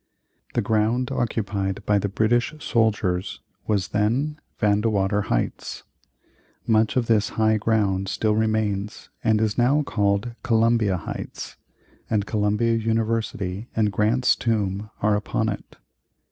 The ground occupied by the British soldiers was then Vandewater Heights. Much of this high ground still remains and is now called Columbia Heights, and Columbia University and Grant's Tomb are upon it.